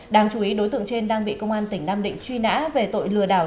đáng chú ý đối tượng trên đang bị công an tỉnh nam định truy nã về tội lừa đảo